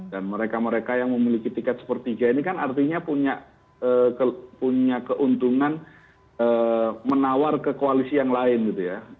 dan mereka mereka yang memiliki tiket sepertiga ini kan artinya punya keuntungan menawar ke koalisi yang lain gitu ya